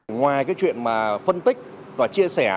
ngoài cái chuyện mà phân tích và chia sẻ